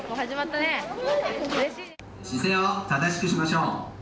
姿勢を正しくしましょう。